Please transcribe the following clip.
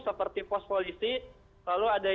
seperti pos polisi lalu ada